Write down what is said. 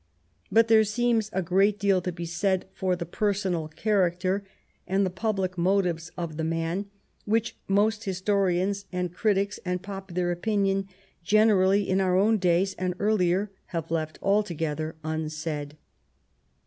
But there seems a great deal to be said for the personal character and the public motives of the man, which most historians and critics, and popular opinion generally in our own days and earlier, have left alto gether unsaid.